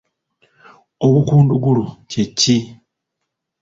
Obukundugulu kye ki?